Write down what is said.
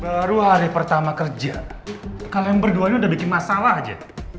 baru hari pertama kerja kalian berdua ini udah bikin masalah aja